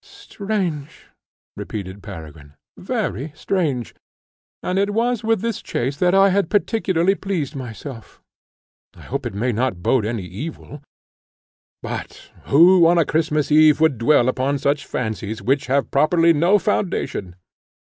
"Strange!" repeated Peregrine, "very strange! and it was with this chase that I had particularly pleased myself; I hope it may not bode any evil! But who, on a Christmas Eve, would dwell upon such fancies, which have properly no foundation?